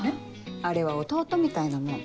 あれは弟みたいなもん。